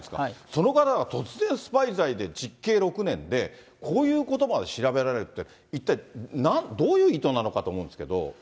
その方が突然、スパイ罪で実刑６年で、こういうことまで調べられていて、一体どういう意図なのかと思うんですけど。